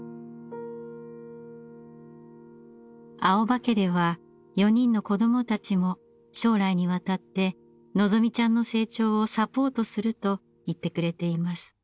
青葉家では４人の子どもたちも将来にわたってのぞみちゃんの成長をサポートすると言ってくれています。